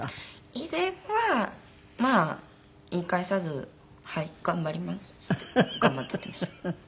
以前はまあ言い返さず「はい。頑張ります」って言って頑張ってやっていました。